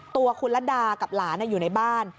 ตัวคุณระดากับหลานอยู่ในบ้าน